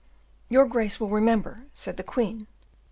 "Your grace will remember," said the queen, "that M.